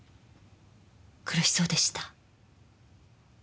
苦しそうでした？